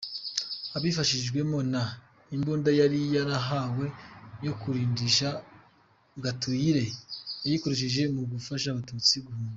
Abifashijwemo n’imbunda yari yarahawe yo kwirindisha, Gatoyire yayikoresheje mu gufasha Abatutsi guhunga.